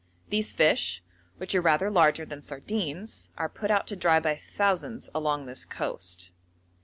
These fish, which are rather larger than sardines, are put out to dry by thousands along this coast.